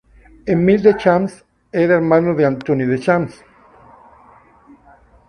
Émile Deschamps era hermano de Antony Deschamps.